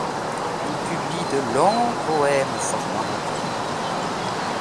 Il publie de longs poèmes formant recueil.